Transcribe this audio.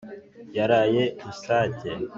Yaraye rusake.